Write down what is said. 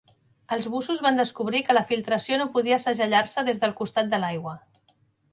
Els bussos van descobrir que la filtració no podia segellar-se des del costat de l'aigua.